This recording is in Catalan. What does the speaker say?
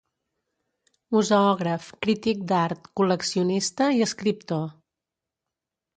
Museògraf, crític d'art, col·leccionista i escriptor.